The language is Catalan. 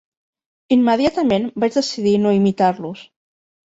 Immediatament vaig decidir no imitar-los